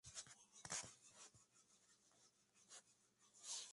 Sin embargo, que estas invasiones sucedieran son una señal del declive del Zhou occidental.